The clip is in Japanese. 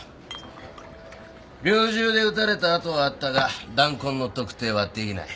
猟銃で撃たれた痕はあったが弾痕の特定はできない。